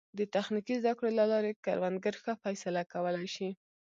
د تخنیکي زده کړو له لارې کروندګر ښه فیصله کولی شي.